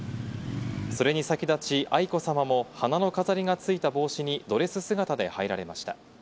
それに先立ち、愛子さまも花の飾りが付いた帽子にドレス姿で入られました。